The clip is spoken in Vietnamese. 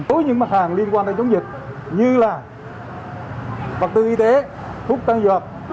đối với những mặt hàng liên quan đến chống dịch như là vật tư y tế thuốc tân dược